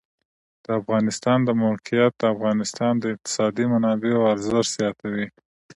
د افغانستان د موقعیت د افغانستان د اقتصادي منابعو ارزښت زیاتوي.